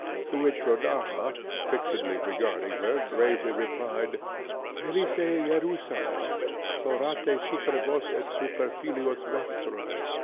To which Rodaja, fixedly regarding her, gravely replied, "Filiæ Jerusalem, plorate super vos et super filios vestros."